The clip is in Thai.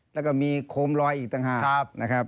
แล้วก็มีโคมลอยอีกต่างหากนะครับ